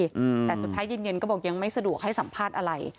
อืมแต่สุดท้ายเย็นเย็นก็บอกยังไม่สะดวกให้สัมภาษณ์อะไร